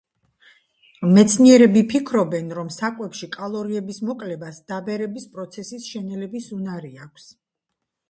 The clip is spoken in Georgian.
მეცნიერები ფიქრობენ, რომ საკვებში კალორიების მოკლებას, დაბერების პროცესის შენელების უნარი აქვს.